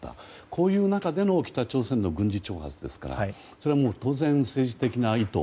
こういう中での北朝鮮の軍事挑発ですからそれはもう当然、政治的な意図